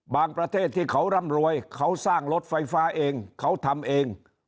ประเทศที่เขาร่ำรวยเขาสร้างรถไฟฟ้าเองเขาทำเอง